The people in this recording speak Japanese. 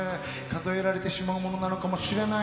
「数えられてしまうものなのかもしれない。